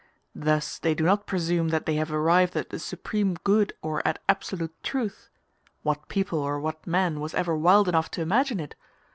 Thus they do not presume that they have arrived at the supreme good or at absolute truth (what people or what man was ever wild enough to imagine it?)